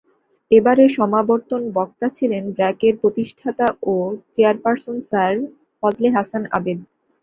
এবারের সমাবর্তন বক্তা ছিলেন ব্র্যাকের প্রতিষ্ঠাতা ও চেয়ারপারসন স্যার ফজলে হাসান আবেদ।